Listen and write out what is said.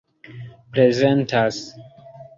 prezentas